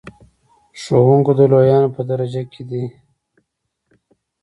ښوونکی د لویانو په درجه کې دی.